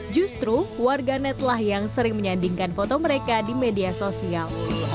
justru warganetlah yang sering menyandingkan foto mereka di media sosial